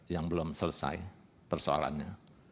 yang belum selesai persoalannya